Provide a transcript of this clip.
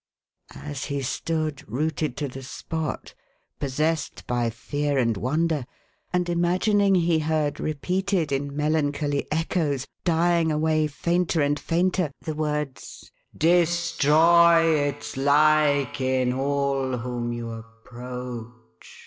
As he stood rooted to the spot, possessed by fear and wonder, and imagining he heard repeated in melancholy echoes, dying away fainter and fainter, the words, "Destroy A BABY SAVAGK. 443 its like in all whom you approach!"